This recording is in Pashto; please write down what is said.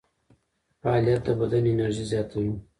فعالیت د بدن انرژي زیاتوي.